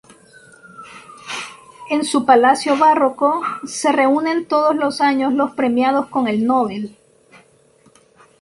En su palacio barroco se reúnen todos los años los premiados con el Nobel.